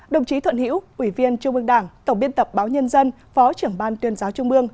đồng chí thuận hiễu ủy viên trung ương đảng tổng biên tập báo nhân dân phó trưởng ban tuyên giáo trung mương